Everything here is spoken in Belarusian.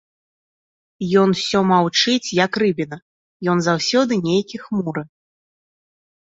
Ён усё маўчыць, як рыбіна, ён заўсёды нейкі хмуры.